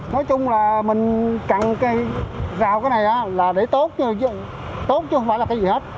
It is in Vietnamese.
nói chung là mình cần cái rào cái này là để tốt chứ không phải là cái gì hết